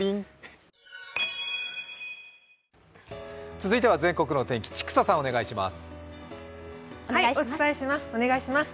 続いては全国の天気、千種さんお願いします。